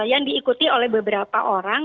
yang diikuti oleh beberapa orang